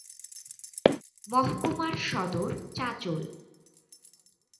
মহকুমার সদর চাঁচল।